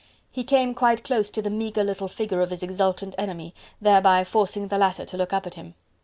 He came quite close to the meagre little figure of his exultant enemy, thereby forcing the latter to look up at him.